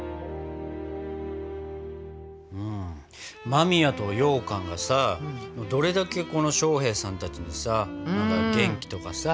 間宮とようかんがさどれだけ将兵さんたちにさ元気とかさ